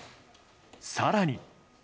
更に。